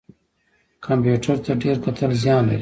کمپیوټر ته ډیر کتل زیان لري